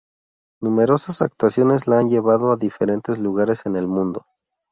Numerosas actuaciones la han llevado a diferentes lugares en el mundo.